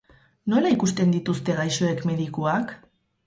Nola ikusten dituzte gaixoek medikuak?